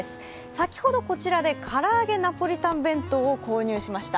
先ほどこちらで唐揚げナポリタン弁当を購入しました。